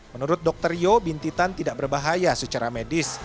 menurut dokter yo bintitan tidak berbahaya secara medis